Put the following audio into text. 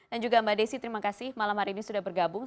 dan juga mbak desi terima kasih malam hari ini sudah bergabung